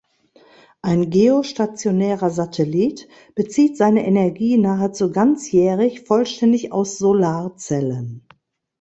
Ein geostationärer Satellit bezieht seine Energie nahezu ganzjährig vollständig aus Solarzellen.